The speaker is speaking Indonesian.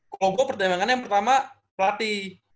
kalau gue pertimbangannya yang pertama plati